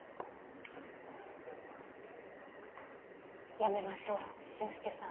やめましょう俊介さん。